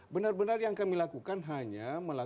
benar benar yang kami lakukan hanya